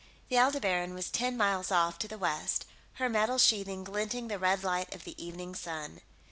The Aldebaran was ten miles off, to the west, her metal sheathing glinting in the red light of the evening sun.